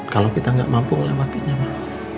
kalau kita nggak mampu melewatinya pak